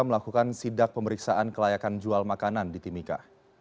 melakukan sidak pemeriksaan kelayakan jual makanan di timika